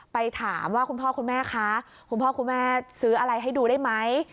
ไปถามว่าคุณพ่อคุณแม่คะคุณพ่อคุณแม่ซื้ออะไรให้ดูได้ไหม